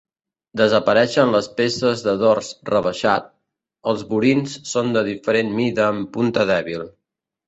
Desapareixen les peces de dors rebaixat; els burins són de diferent mida amb punta dèbil.